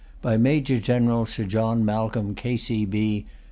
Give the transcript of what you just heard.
By MAJOR GENERAL SIR JOHN MALCOLM, K.C.B.